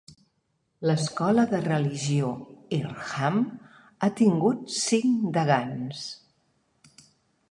L'Escola de Religió Earlham ha tingut cinc degans.